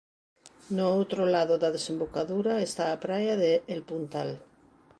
No outro lado da desembocadura está a praia de El Puntal.